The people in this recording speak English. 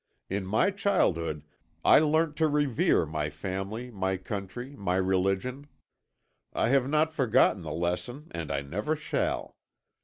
In my childhood I learnt to revere my family, my country, my religion. I have not forgotten the lesson and I never shall.